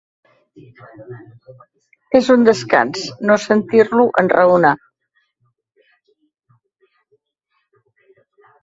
És un descans, no sentir-lo enraonar!